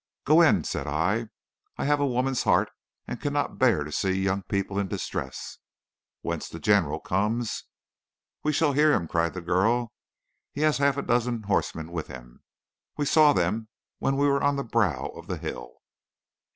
"'Go in,' said I, 'I have a woman's heart, and cannot bear to see young people in distress. When the general comes ' "'We shall hear him,' cried the girl; 'he has half a dozen horsemen with him. We saw them when we were on the brow of the hill.'